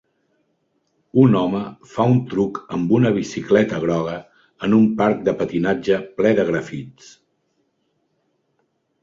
Un home fa un truc amb una bicicleta groga en un parc de patinatge ple de grafits.